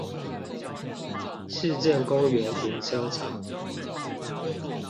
市政公園停車場